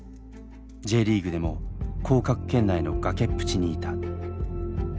Ｊリーグでも降格圏内の崖っぷちにいた。